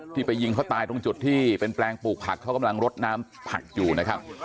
ไปยิงเขาตายตรงจุดที่เป็นแปลงปลูกผักเขากำลังรดน้ำผักอยู่นะครับ